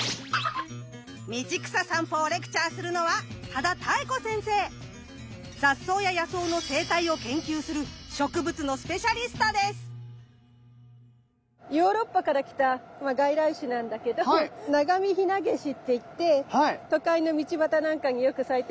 道草さんぽをレクチャーするのは雑草や野草の生態を研究するヨーロッパから来た外来種なんだけどナガミヒナゲシって言って都会の道端なんかによく咲いてる。